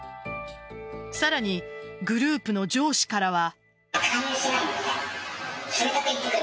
さらに、グループの上司からは。